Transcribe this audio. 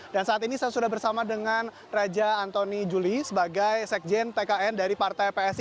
dan saat ini saya sudah bersama dengan raja antoni juli sebagai sekjen tkn dari partai psi